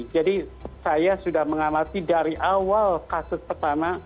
jadi saya sudah mengamati dari awal kasus pertama